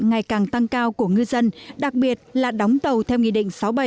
ngày càng tăng cao của ngư dân đặc biệt là đóng tàu theo nghị định sáu bảy